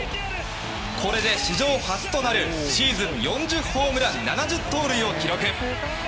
これで、史上初となるシーズン４０ホームラン７０盗塁を達成。